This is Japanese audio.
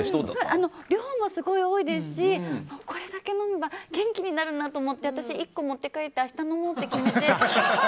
量もすごく多いですしこれだけ飲めば元気になるなと思って私、１個持って帰って明日飲もうって決めて。